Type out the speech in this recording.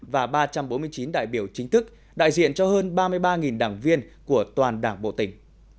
và ba trăm bốn mươi chín đại biểu chính thức đại diện cho hơn ba mươi ba đảng viên của toàn đảng bộ tỉnh